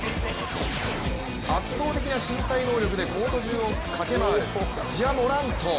圧倒的な身体能力でコート中を駆け回るジャ・モラント。